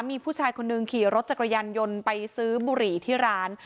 มีผู้ชายคนนึงขี่รถจักรยานยนต์ไปซื้อบุหรี่ที่ร้าน